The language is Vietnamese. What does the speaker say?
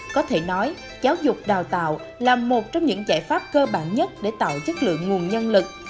có thể nói giáo dục đào tạo là một trong những giải pháp cơ bản nhất để tạo chất lượng nguồn nhân lực